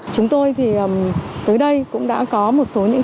chúng tôi thì tới đây cũng đã có một số những